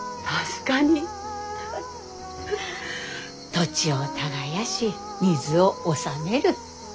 土地を耕し水を治める。